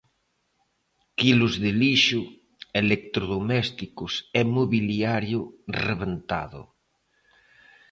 Quilos de lixo, electrodomésticos e mobiliario rebentado.